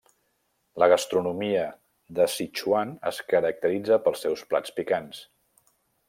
La gastronomia de Sichuan es caracteritza pels seus plats picants.